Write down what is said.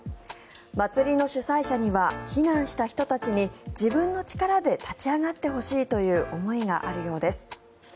祭りの主催者には避難した人たちに自分の力で立ち上がってほしいという思いがあるようです。